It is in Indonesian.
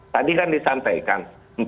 tadi kan disampaikan